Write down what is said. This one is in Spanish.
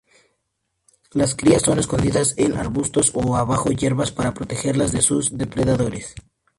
Las crías son escondidas en arbustos o bajo hierbas para protegerlas de sus depredadores.